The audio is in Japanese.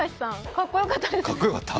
かっこよかった。